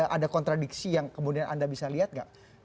ada kontradiksi yang kemudian anda bisa lihat nggak